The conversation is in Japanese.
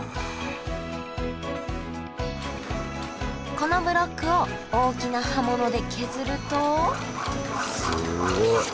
このブロックを大きな刃物で削るとすごい。